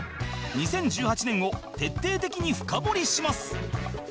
２０１８年を徹底的に深掘りします！